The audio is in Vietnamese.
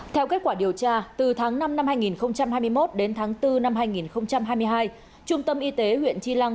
theo kết quả điều tra từ tháng năm năm hai nghìn hai mươi một đến tháng bốn năm hai nghìn hai mươi hai trung tâm y tế huyện chi lăng